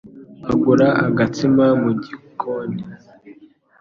Agura agatsima mu gikoni.